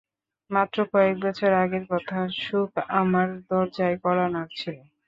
মাত্র কয়েক বছর আগের কথা, সুখ আমার দরজায় কড়া নাড়ছিল।